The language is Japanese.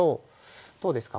どうですか？